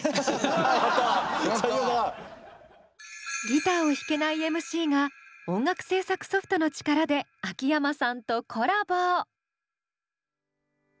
ギターを弾けないＭＣが音楽制作ソフトの力で秋山さんとコラボ！